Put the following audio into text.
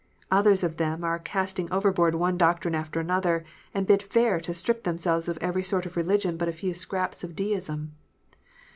Others of them are casting overboard one doctrine after another, and bid fair to strip themselves of every sort of religion but a few scraps of Deism.